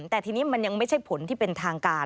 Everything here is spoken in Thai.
แต่ทีนี้มันยังไม่ใช่ผลที่เป็นทางการ